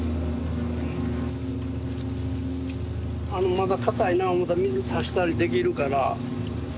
まだ硬いな思ったら水差したりできるから。